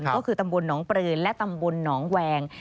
ก็คือตำบลหนองปลือและตำบลหนองแวง